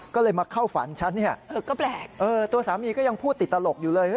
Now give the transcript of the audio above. ก็เลยมาเข้าฝันฉันเนี่ยเออก็แปลกเออตัวสามีก็ยังพูดติดตลกอยู่เลย